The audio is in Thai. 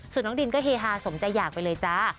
ส่วนน้องดินก็เฮฮาสมใจอยากไปเลยจ้า